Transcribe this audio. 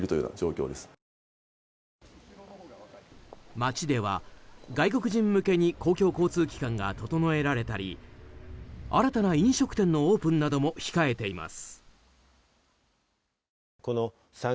町では、外国人向けに公共交通機関が整えられたり新たな飲食店のオープンなども控えています。